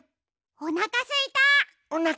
おなかすいた！